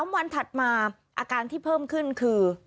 ๓วันถัดมาอาการที่เพิ่มขึ้นคือ